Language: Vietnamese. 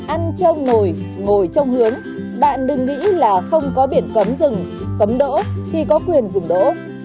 ăn trong nồi ngồi trong hướng bạn đừng nghĩ là không có biển cấm rừng cấm đỗ thì có quyền rừng đỗ